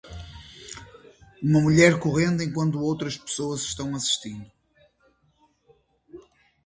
Uma mulher correndo enquanto outras pessoas estão assistindo.